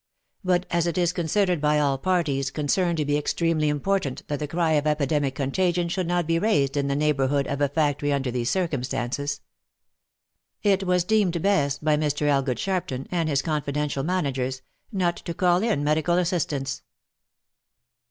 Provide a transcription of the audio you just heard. But as it is considered by all parties concerned to be extremely important that the cry of epidemic contagion should not be raised in the neighbourhood of a factory under these circumstances, it was deemed best by Mr. Elgood Sharpton, and his confidential managers, not to call in medical assist ance.